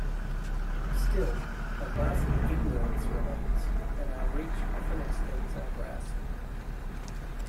Still, a vast ignorance remains, and our reach often exceeds our grasp.